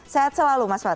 sehat selalu mas wad